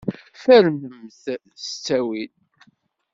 Fernemt s ttawil.